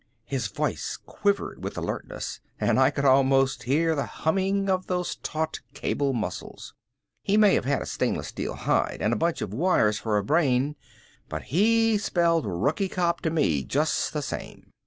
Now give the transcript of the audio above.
His voice quivered with alertness and I could almost hear the humming of those taut cable muscles. He may have had a stainless steel hide and a bunch of wires for a brain but he spelled rookie cop to me just the same.